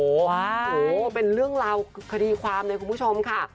โอ้โหเป็นเรื่องราวคดีความเลยคุณผู้ชมค่ะ